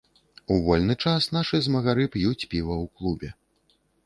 У вольны час нашы змагары п'юць піва ў клубе.